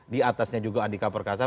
di atasnya juga andika perkasa